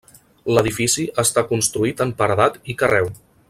L'edifici està construït en paredat i carreu.